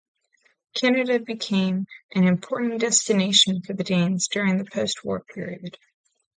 Canada became an important destination for the Danes during the post-war period.